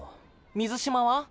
水嶋は？